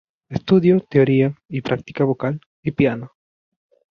Estudió teoría y práctica vocal y piano.